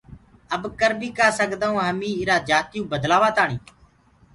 اب ڪر بيٚ ڪآ سگدآئونٚ هميٚنٚ ايٚرآ جاتيٚئو بدلآوآتآڻيٚ